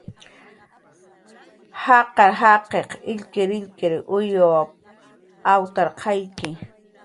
Jaqar jaqi illkirillkir uyw awtarqayki